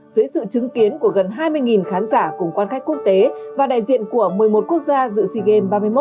dưới sự chứng kiến của gần hai mươi khán giả cùng quan khách quốc tế và đại diện của một mươi một quốc gia dự sea games ba mươi một